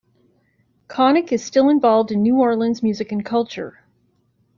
Connick is still involved in New Orleans music and culture.